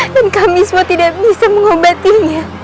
dan kami semua tidak bisa mengobatinya